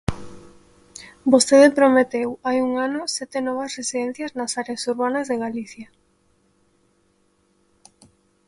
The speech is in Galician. Vostede prometeu hai un ano sete novas residencias nas áreas urbanas de Galicia.